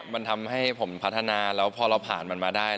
มันทำให้ผมพัฒนาแล้วพอเราผ่านมันมาได้